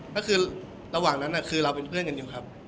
ก็คือระหว่างนั้นคือเราเป็นเพื่อนกันอยู่ครับ